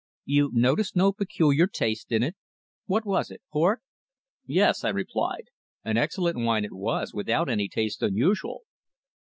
"You noticed no peculiar taste in it? What was it port?" "Yes," I replied. "An excellent wine it was, without any taste unusual."